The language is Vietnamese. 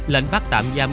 lệnh bắt tạm giam